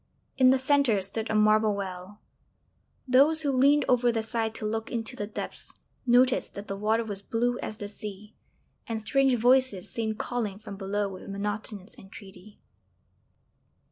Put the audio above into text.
In the centre stood a marble well; those who leaned over the side to look into the depths noticed that the water was blue as the sea, and strange voices seemed calling from below with monotonous entreaty.